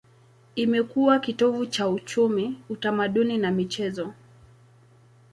Imekuwa kitovu cha uchumi, utamaduni na michezo.